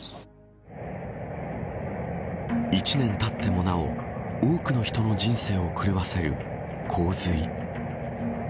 １年たってもなお多くの人の人生を狂わせる洪水。